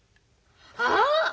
ああ！